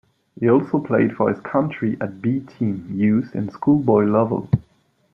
He also played for his country at 'B' team, youth and schoolboy level.